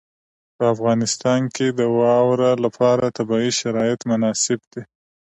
په افغانستان کې د واوره لپاره طبیعي شرایط مناسب دي.